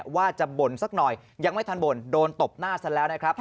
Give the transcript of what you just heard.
ว่าจะบ่นสักหน่อยยังไม่ทันบ่นโดนตบหน้าซะแล้วนะครับ